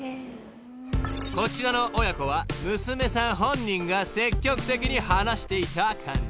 ［こちらの親子は娘さん本人が積極的に話していた感じ］